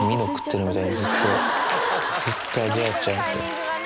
ずっとずっと味わっちゃうんですよ。